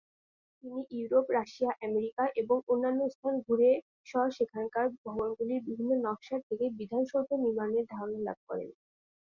তিনি Europe, Russia, America এবং অন্যান্য স্থান ঘুরে স সেখানকার ভবনগুলির বিভিন্ন নকশার থেকে বিধান সৌধ নির্মাণের ধারণা লাভ করেন।